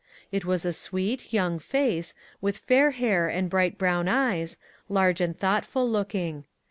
It was a sweet, young face, with fair hair and bright brown eyes, STEP BY STEP. 53 large and thoughtful looking.